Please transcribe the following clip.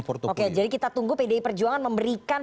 forum oke jadi kita tunggu pdi perjuangan memberikan